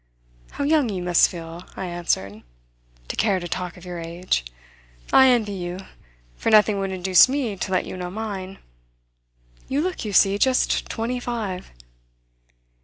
"How young you must feel," I answered, "to care to talk of your age! I envy you, for nothing would induce me to let you know mine. You look, you see, just twenty five."